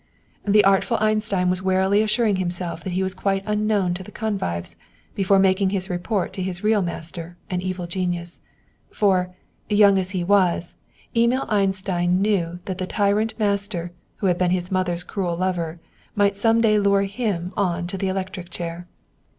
The artful Einstein was warily assuring himself that he was quite unknown to the convives before making his report to his real master and evil genius. For, young as he was, Emil Einstein well knew that the tyrant master, who had been his mother's cruel lover, might some day lure him on to the electric chair.